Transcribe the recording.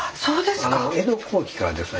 江戸後期からですね。